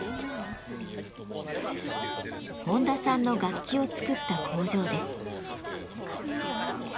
本多さんの楽器を作った工場です。